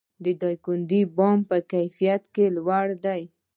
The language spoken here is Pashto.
د دایکنډي بادام په کیفیت کې لوړ دي